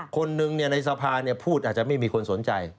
คนหนึ่งในสภาพูดอาจจะไม่มีคนสนใจ